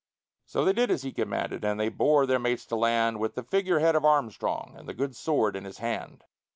So they did as he commanded, and they bore their mates to land With the figurehead of Armstrong and the good sword in his hand.